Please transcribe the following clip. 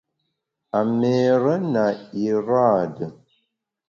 A méére na iraade.